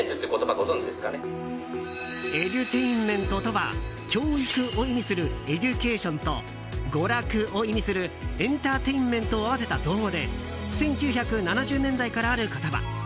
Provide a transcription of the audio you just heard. エデュテインメントとは教育を意味するエデュケーションと娯楽を意味するエンターテインメントを合わせた造語で１９７０年代からある言葉。